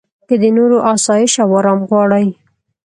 که د نورو اسایش او ارام غواړې.